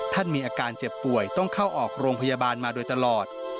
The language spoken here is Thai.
มีอาการเจ็บป่วยต้องเข้าออกโรงพยาบาลมาโดยตลอด